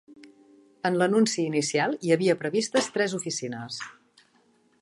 En l'anunci inicial, hi havia previstes tres oficines.